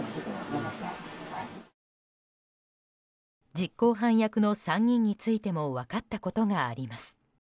実行犯役の３人についても分かったことがあります。